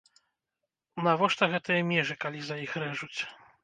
Навошта гэтыя межы, калі за іх рэжуць?